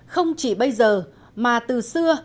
không chỉ bây giờ mà từ xưa